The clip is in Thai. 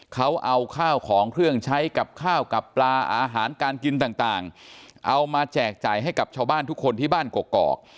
เขาเอาข้าวของเครื่องใช้กับข้าวกับปลาอาหารการกินต่างเอามาแจกจ่ายให้กับชาวบ้านทุกคนที่บ้านกอก